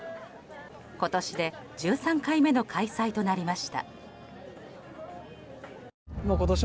今年で１３回目の開催となります。